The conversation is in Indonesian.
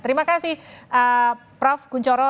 terima kasih prof kunchoro